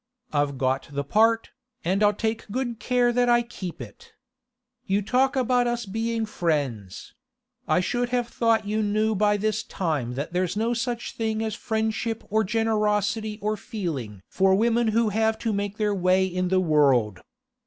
I've got the part, and I'll take good care that I keep it. You talk about us being friends; I should have thought you knew by this time that there's no such thing as friendship or generosity or feeling for women who have to make their way in the world.